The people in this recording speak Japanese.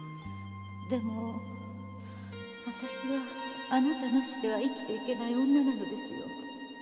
でも私はあなたなしでは生きていけない女なのですよ〕